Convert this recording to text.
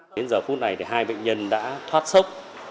đến giờ phút này thì hai bệnh nhân đã thoát sốc